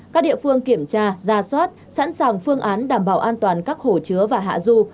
các địa phương kiểm tra ra soát sẵn sàng phương án đảm bảo an toàn các hồ chứa và hạ du